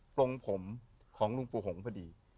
ปรงผมของลุงปูหงพอดี